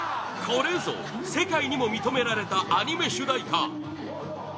これぞ世界にも認められたアニメ主題歌！